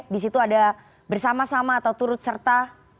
di situ ada bersama sama atau turut serta